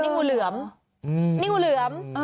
นี่งูเหลือม